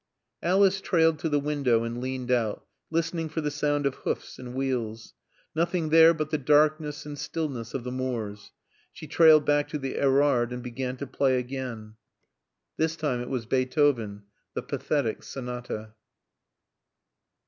Alice trailed to the window and leaned out, listening for the sound of hoofs and wheels. Nothing there but the darkness and stillness of the moors. She trailed back to the Erard and began to play again. This time it was Beethoven, the Pathetic Sonata.